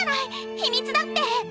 秘密だって！